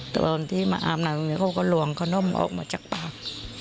ตอนที่มาอาบน้ำตรงนี้เขาก็ลวงขนมออกมาจากปาก